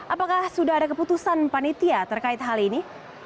apakah sudah ada keputusan panitia terkait hal ini